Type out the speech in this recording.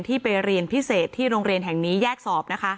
ไปเรียนพิเศษที่โรงเรียนแห่งนี้แยกสอบนะคะ